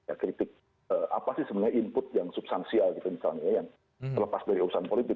ya kritik apa sih sebenarnya input yang substansial gitu misalnya ya yang terlepas dari urusan politik